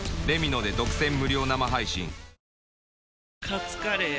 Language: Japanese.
カツカレー？